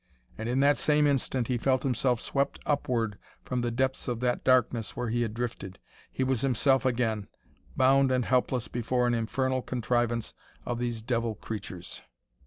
And in that same instant he felt himself swept upward from the depths of that darkness where he had drifted. He was himself again, bound and helpless before an infernal contrivance of these devil creatures.